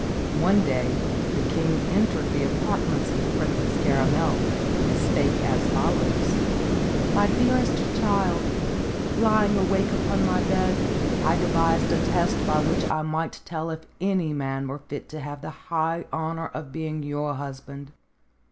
One day the king entered the apartments of the Princess Caramel, and spake as follows: "My dearest child, lying awake upon my bed, I de vised a test by which I might tell if any man were fit to have the high honor of being your husband.